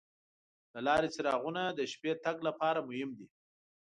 د لارې څراغونه د شپې تګ لپاره مهم دي.